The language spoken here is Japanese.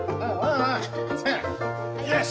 よし。